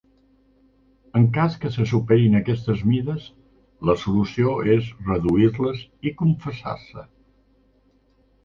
En cas que se superin aquestes mides, la solució és reduir-les i confessar-se.